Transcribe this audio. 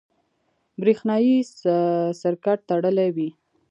برېښنایي سرکټ تړلی وي.